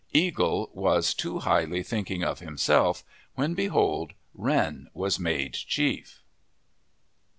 Eagle was too highly thinking of himself, when behold, Wren was made chief.